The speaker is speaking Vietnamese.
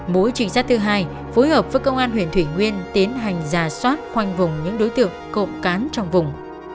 mối trịnh sát thứ hai phối hợp với công an huyện thủy nguyên tiến hành giả soát khoanh vùng những đối tượng cộng cán trong vùng